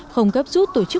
không gấp rút tổ chức